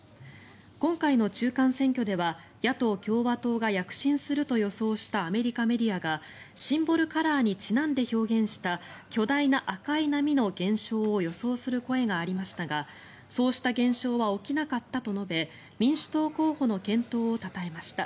今回の中間選挙では野党・共和党が躍進すると予想したアメリカメディアがシンボルカラーにちなんで表現した巨大な赤い波の現象を予想する声がありましたがそうした現象は起きなかったと述べ民主党候補の健闘をたたえました。